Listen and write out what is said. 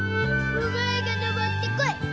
お前が登ってこい！